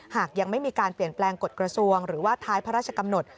หากยังไม่มีการเปลี่ยนแปลงกฎกระทรวงหรือว่าท้ายพระราชกำหนด